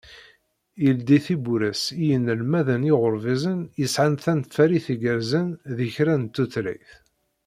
Yeldi tiwwura-s i yinelmaden iɣurbizen yesɛan tanfalit igerrzen di kra n tutlayt.